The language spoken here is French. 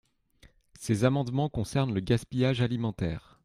Ces amendements concernent le gaspillage alimentaire.